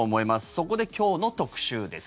そこで今日の特集です。